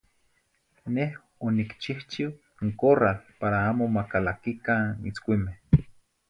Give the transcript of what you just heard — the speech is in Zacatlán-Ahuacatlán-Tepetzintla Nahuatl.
Neh onicchihchih n corrâl para amo macalaquicah itzcuimeh.